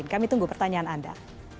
kami tunggu pertanyaan anda